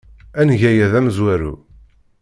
Ad neg aya d amezwaru.